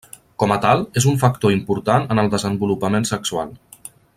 Com a tal, és un factor important en el desenvolupament sexual.